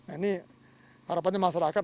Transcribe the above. ini harapannya masyarakat